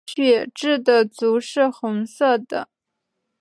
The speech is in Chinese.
血雉的足是红色的。